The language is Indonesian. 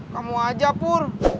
kamu aja pur